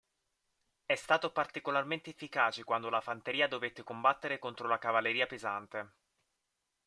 È stato particolarmente efficace quando la fanteria dovette combattere contro la cavalleria pesante.